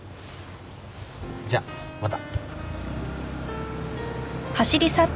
じゃあまた。